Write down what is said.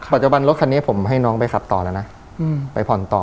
ปัจจุบันรถคันนี้ผมให้น้องไปขับต่อแล้วนะไปผ่อนต่อ